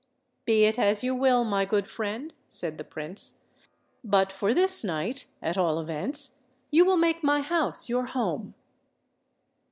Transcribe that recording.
"Be it as you will, my good friend," said the Prince. "But for this night, at all events, you will make my house your home."